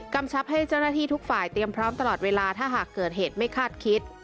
ชับให้เจ้าหน้าที่ทุกฝ่ายเตรียมพร้อมตลอดเวลาถ้าหากเกิดเหตุไม่คาดคิด